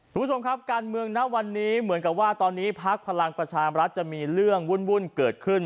คุณผู้ชมครับการเมืองณวันนี้เหมือนกับว่าตอนนี้พักพลังประชามรัฐจะมีเรื่องวุ่นเกิดขึ้น